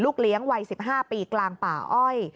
เลี้ยงวัย๑๕ปีกลางป่าอ้อย